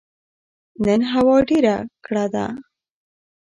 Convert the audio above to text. نن هوا ډيره کړه ده